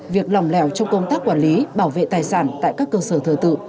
việc lỏng lẻo trong công tác quản lý bảo vệ tài sản tại các cơ sở thờ tự